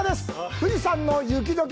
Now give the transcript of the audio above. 富士山の雪解け